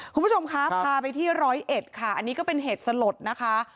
คุณผู้ชมคะพาไปที่ร้อยเอ็ดค่ะอันนี้ก็เป็นเหตุสลดนะคะ